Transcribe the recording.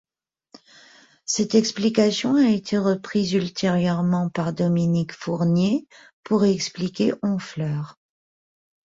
Cette explication a été reprise ultérieurement par Dominique Fournier pour expliquer Honfleur.